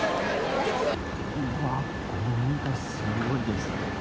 うわ、ごみがすごいですね。